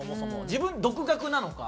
自分独学なのか？